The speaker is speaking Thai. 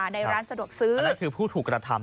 ในร้านสะดวกซื้อนั่นคือผู้ถูกกระทำ